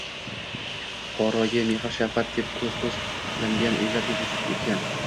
Fuqaroga mehr-shafqat deb koʻz-koʻz qilingan uylarga koʻchib oʻtgan